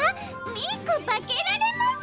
ミーコばけられます。